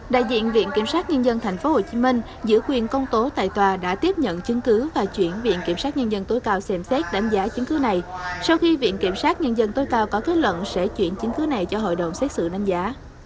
đại diện viện kiểm sát nhân dân tp hcm giữ quyền công tố tại tòa đã tiếp nhận chứng cứ và chuyển viện kiểm sát nhân dân tối cao xem xét đánh giá chứng cứ này sau khi viện kiểm sát nhân dân tối cao có kết luận sẽ chuyển chứng cứ này cho hội đồng xét xử đánh giá